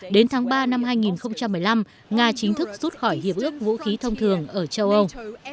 đến tháng ba năm hai nghìn một mươi năm nga chính thức rút khỏi hiệp ước vũ khí thông thường ở châu âu